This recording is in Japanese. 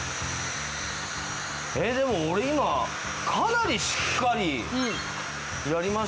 えっでも俺今かなりしっかりやりましたからね。